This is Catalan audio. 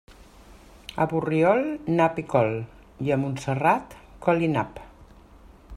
A Borriol, nap i col, i a Montserrat, col i nap.